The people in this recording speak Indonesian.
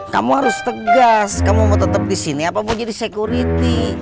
kamu harus tegas kamu mau tetep disini apa mau jadi security